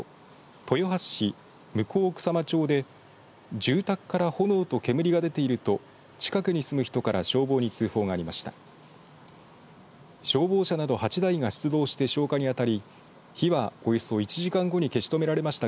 豊橋市向草間町で住宅から炎と煙が出ていると近くに住む人から消防に通報がありました。